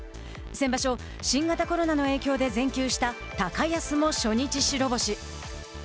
先場所新型コロナの影響で全休した高安も初日白星。